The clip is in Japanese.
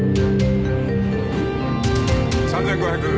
３，５００。